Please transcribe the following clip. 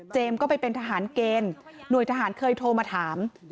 ก็ไปเป็นทหารเกณฑ์หน่วยทหารเคยโทรมาถาม